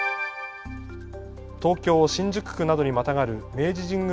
東京新宿区などにまたがる明治神宮